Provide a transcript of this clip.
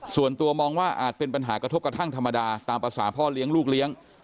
ส่วนตัวมองว่าอาจเป็นปัญหากระทบกระทั่งธรรมดาตามภาษาพ่อเลี้ยงลูกเลี้ยง